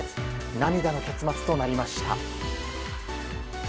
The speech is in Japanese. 涙の結末となりました。